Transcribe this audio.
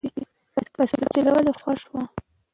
بایسکل چلول یې خوښ و.